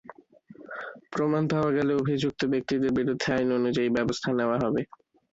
প্রমাণ পাওয়া গেলে অভিযুক্ত ব্যক্তিদের বিরুদ্ধে আইন অনুযায়ী ব্যবস্থা নেওয়া হবে।